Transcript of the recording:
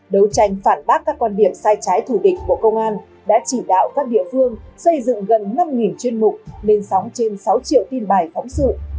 đấu tranh phản bác các quan điểm sai trái thủ địch của công an đã chỉ đạo các địa phương xây dựng gần năm chuyên mục lên sóng trên sáu triệu tin bài phóng sự